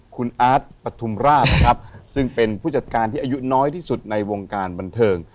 คุณอาร์ตปฐุมราชนะครับซึ่งเป็นผู้จัดการที่อายุน้อยที่สุดในวงการบันเทิง